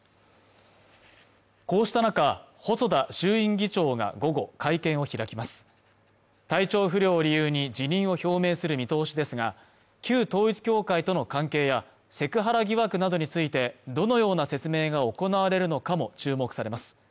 こうした中細田衆院議長が午後会見を開きます体調不良を理由に辞任を表明する見通しですが旧統一教会との関係やセクハラ疑惑などについてどのような説明が行われるのかも注目されます